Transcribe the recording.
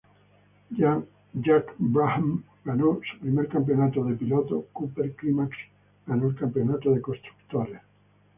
Jack Brabham ganó su primer Campeonato de Pilotos; Cooper-Climax ganó el Campeonato de Constructores.